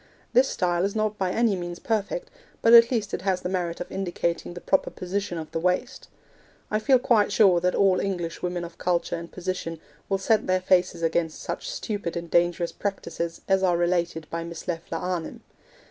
This style is not by any means perfect, but at least it has the merit of indicating the proper position of the waist. I feel quite sure that all English women of culture and position will set their faces against such stupid and dangerous practices as are related by Miss Leffler Arnim.